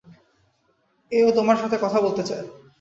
ও তোমার সাথে কথা বলতে চায়।